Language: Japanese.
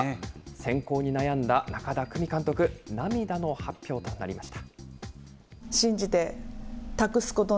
選考に悩んだ中田久美監督、涙の発表となりました。